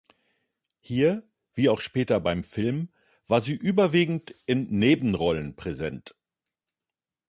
Hier, wie auch später beim Film, war sie überwiegend in Nebenrollen präsent.